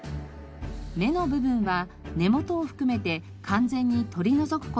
芽の部分は根元を含めて完全に取り除く事がポイント。